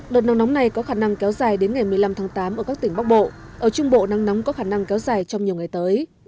đợt nắng nóng này có khả năng kéo dài đến ngày một mươi năm tháng tám ở các tỉnh bắc bộ ở trung bộ nắng nóng có khả năng kéo dài trong nhiều ngày tới